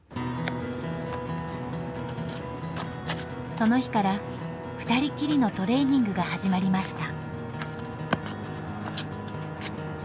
その日からふたりきりのトレーニングが始まりました。